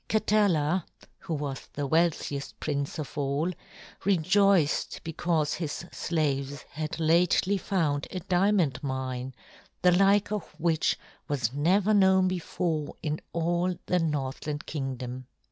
Katala, who was wealthiest prince of all, rejoiced because his slaves had lately found a diamond mine, the like of which was never known before in all the Northland Kingdom.